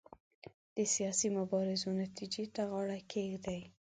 د سیاسي مبارزو نتیجو ته غاړه کېږدي.